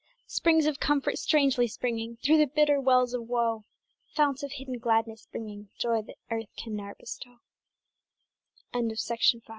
Springs of comfort strangely springing Through the bitter wells of woe, Founts of hidden gladness, bringing Joy that earth can ne'er bestow T